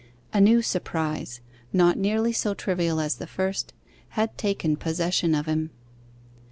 A new surprise, not nearly so trivial as the first, had taken possession of him.